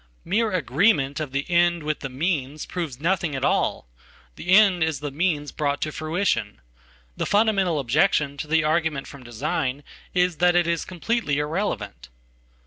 Mere agreement of the"end" with the "means" proves nothing at all. The end is the meansbrought to fruition. The fundamental objection to the argument fromdesign is that it is completely irrelevant.